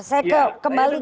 saya kembali ke